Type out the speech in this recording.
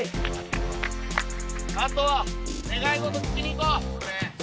あとは願い事聞きに行こう！